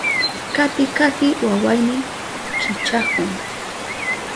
Kati kati wawayni kichahun.